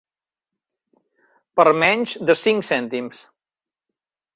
Per menys de cinc cèntims.